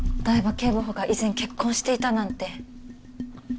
警部補が以前結婚していたなんて。